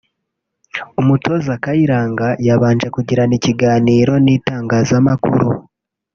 umutoza Kayiranga yabanje kugirana ikiganiro n’itangazamakuru